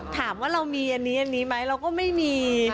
ถามว่าเรามีอันนี้ไหมเราก็ไม่มี